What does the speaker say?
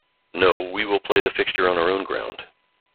No, we will play the fixture on our own ground.